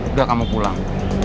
udah kamu pulang